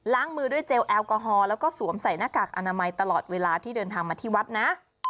มือด้วยเจลแอลกอฮอล์แล้วก็สวมใส่หน้ากากอนามัยตลอดเวลาที่เดินทางมาที่วัดนะ